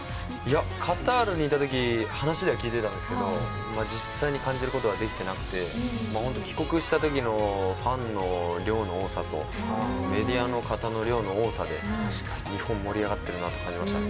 カタールにいた時話では聞いてたんですけど実際に感じることはできてなくて帰国した時のファンの量の多さとメディアの方の量の多さで日本盛り上がってるなって思いました。